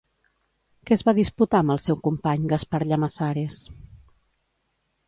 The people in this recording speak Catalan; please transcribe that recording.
Què es va disputar amb el seu company, Gaspar Llamazares?